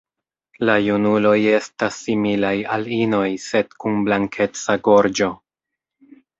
La junuloj estas similaj al inoj, sed kun blankeca gorĝo.